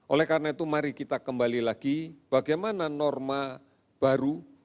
oleh karena itu mari kita kembali lagi bagaimana norma baru